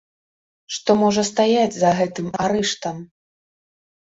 Што можа стаяць за гэтым арыштам?